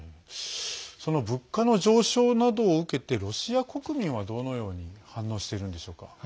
その物価の上昇などを受けてロシア国民は、どのように反応しているんでしょうか。